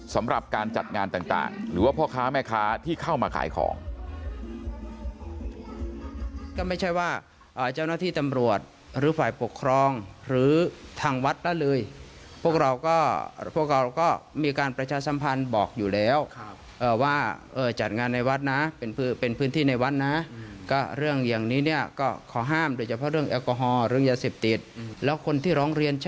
สำหรับการจัดงานต่างหรือว่าพ่อค้าแม่ค้าที่เข้ามาขายของ